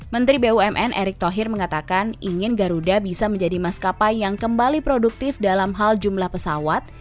menteri bumn erick thohir mengatakan ingin garuda bisa menjadi maskapai yang kembali produktif dalam hal jumlah pesawat